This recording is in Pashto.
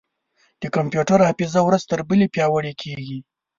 د کمپیوټر حافظه ورځ تر بلې پیاوړې کېږي.